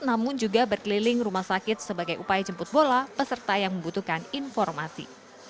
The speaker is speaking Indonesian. namun juga berkeliling rumah sakit sebagai upaya jemput bola peserta yang membutuhkan informasi